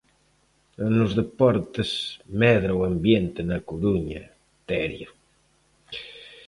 E nos deportes, medra o ambiente na Coruña, Terio.